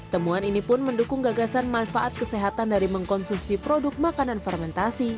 temuan ini pun mendukung gagasan manfaat kesehatan dari mengkonsumsi produk makanan fermentasi